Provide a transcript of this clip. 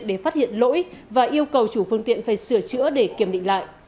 để phát hiện lỗi và yêu cầu chủ phương tiện phải sửa chữa để kiểm định lại